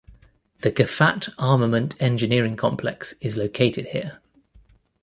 The Gafat Armament Engineering Complex is located here.